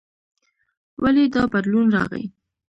ولې دا بدلون راغلی؟